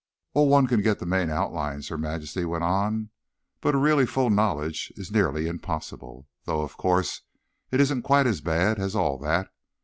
_ "Oh, one can get the main outlines," Her Majesty went on, "but a really full knowledge is nearly impossible. Though, of course, it isn't quite as bad as all that.